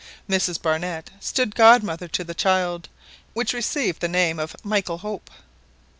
Mrs Barnett stood god mother to the child, which received the name of Michael Hope.